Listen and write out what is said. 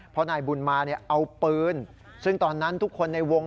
เพราะนายบุญมาเนี่ยเอาปืนซึ่งตอนนั้นทุกคนในวง